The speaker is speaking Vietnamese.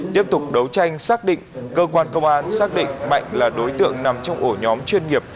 tiếp tục đấu tranh xác định cơ quan công an xác định mạnh là đối tượng nằm trong ổ nhóm chuyên nghiệp